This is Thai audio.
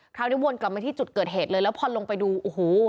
วนกลับมาที่จุดเกิดเหตุเลยแล้วพอลงไปดูโอ้โห